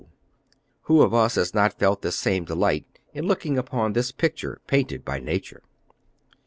Who of us has not felt this same delight in looking upon this picture, painted by nature?